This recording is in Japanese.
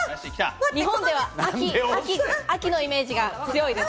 日本では秋のイメージが強いです。